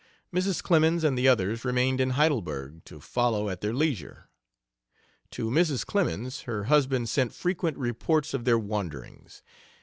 Mrs. Clemens and the others remained in Heidelberg, to follow at their leisure. To Mrs. Clemens her husband sent frequent reports of their wanderings.